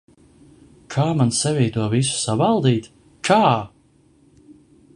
Kā man sevī to visu savaldīt? Kā?